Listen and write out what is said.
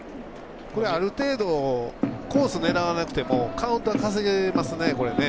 ある程度コース狙わなくてもカウントは稼げますね。